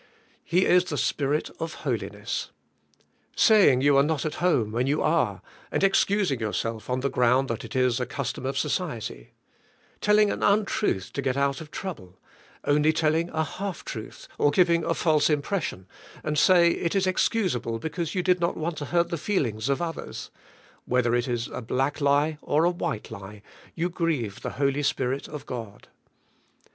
He is the Spirit of holiness. Saying you are not at home when you are, and excusing yourself on the ground that it is a custom of society; telling an un truth to get out of trouble; only telling a half truth or giving a false impression, and say it is excusable because you did not want to hurt the feelings of others; whether it is a "black lie" or a "white lie," 3^ou grieve the Holy Spirit of God.